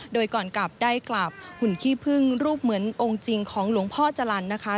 โดยก่อนกลับได้กลับหุ่นขี้พึ่งรูปเหมือนองค์จริงของหลวงพ่อจรรย์นะคะ